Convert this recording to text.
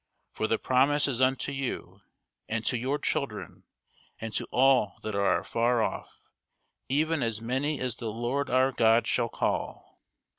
For the promise is unto you, and to your children, and to all that are afar off, even as many as the Lord our God shall call.